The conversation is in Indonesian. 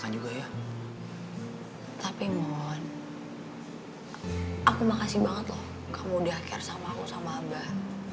tapi mohon aku makasih banget loh kamu udah care sama aku sama abah